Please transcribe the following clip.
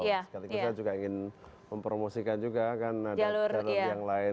sekaligus saya juga ingin mempromosikan juga kan ada jalur yang lain